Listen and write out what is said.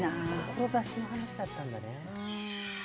志の話だったんだね。